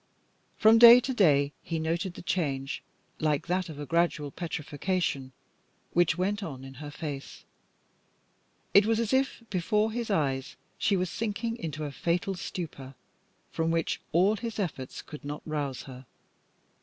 From day to day he noted the change, like that of a gradual petrifaction, which went on in her face. It was as if before his eyes she were sinking into a fatal stupor, from which all his efforts could not rouse her.